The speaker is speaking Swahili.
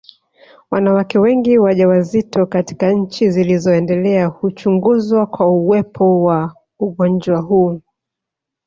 Wanawake wengi wajawazito katika nchi zilizoendelea huchunguzwa kwa uwepo wa ugonjwa huu